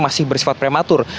masih bersifat prematur